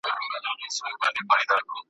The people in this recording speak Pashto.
له هر نوي کفن کښه ګیله من یو ,